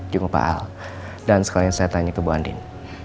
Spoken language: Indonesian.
juga pak al dan sekalian saya tanya ke bu andin